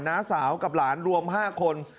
น้าสาวกับหลานรวม๕คน